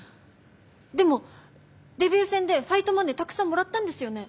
でもデビュー戦でファイトマネーたくさんもらったんですよね？